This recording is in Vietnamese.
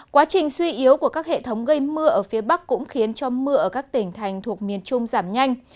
quá trình suy yếu của các hệ thống gây mưa ở phía bắc cũng khiến cho mưa ở các tỉnh thành thuộc miền trung giảm nhanh